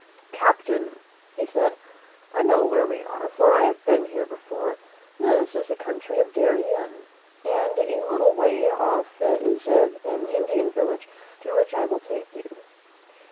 " Captain," he said, "I know where we are, for I have been here before. This is the country of Darien, and a little way off is an Indian village to which I will take you."